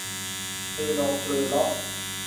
จือนงปรือเราะ